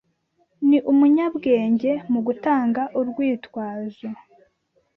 Ni umunyabwenge mu gutanga urwitwazo